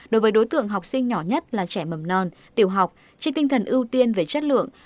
đối với đối tượng học sinh nhỏ nhất là trẻ mầm non tiểu học trên tinh thần ưu tiên về chất lượng